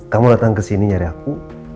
kamu datang kesini nyari aku